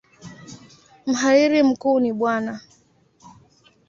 Mhariri mkuu ni Bw.